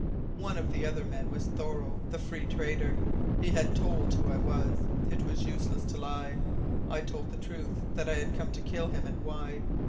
One of the other men was Thoreau, the Free Trader. He had told who I was. It was useless to lie. I told the truth that I had come to kill him, and why.